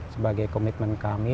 sebagai komitmen kami